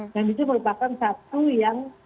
dan itu merupakan satu yang